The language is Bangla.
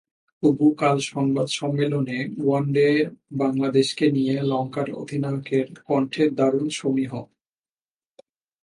তবু কাল সংবাদ সম্মেলনে ওয়ানডের বাংলাদেশকে নিয়ে লঙ্কান অধিনায়কের কণ্ঠে দারুণ সমীহ।